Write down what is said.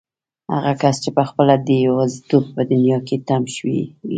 هغه کس چې پخپله د يوازيتوب په دنيا کې تم شوی وي.